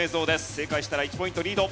正解したら１ポイントリード。